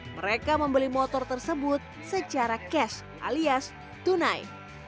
mereka membeli motor tersebut secara cash alias tunai